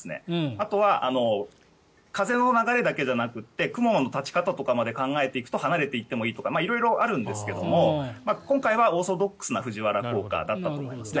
あとは、風の流れだけじゃなくて雲の立ち方とかまで考えていくと離れていってもいいとか色々あるんですが今回はオーソドックスな藤原効果だったと思います。